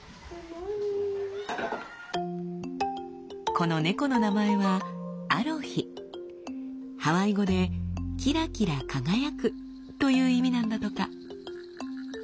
この猫の名前はハワイ語で「キラキラ輝く」という意味なんだとか。